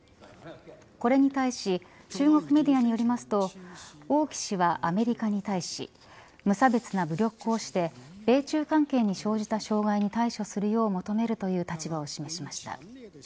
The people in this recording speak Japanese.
これに対し中国メディアによりますと王毅氏はアメリカに対し無差別な武力行使で米中関係に生じた障害に対処するよう求めるという立場を示しました。